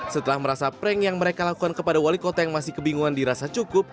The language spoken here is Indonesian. setelah merasa prank yang mereka lakukan kepada wali kota yang masih kebingungan dirasa cukup